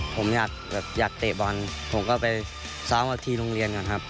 ผมอยากเตะบอลผมก็ไปซ้อมกับทีมโรงเรียนก่อนครับ